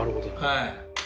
はい。